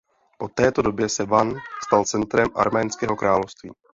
Po této době se Van stal centrem Arménského království.